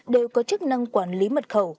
đều có chức năng quản lý mật khẩu